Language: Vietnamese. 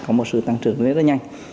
có một sự tăng trưởng rất nhanh